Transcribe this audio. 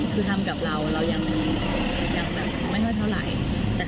คือทำกับเราเรายังไม่เท่าไหร่